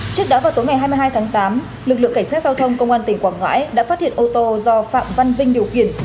trước đó vào tối ngày hai mươi hai tháng tám lực lượng cảnh sát giao thông công an tỉnh quảng ngãi đã phát hiện ô tô do phạm văn vinh điều khiển